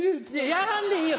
やらんでいいよ